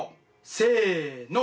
せの。